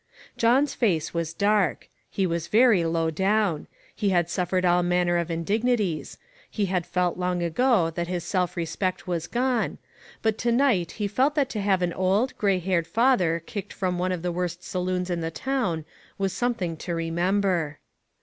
John's face was dark ; he was very low down ; he had suffered all manner of in dignities ; he had felt long ago that his self respect was gone ; but to night he felt that to have an old, gray haired father kicked from one of the worst saloons in the town was something to remember.